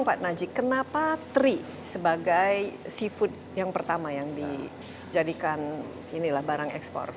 ngomong pak najik kenapa teri sebagai seafood yang pertama yang dijadikan barang ekspor